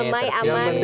damai aman kemudian juga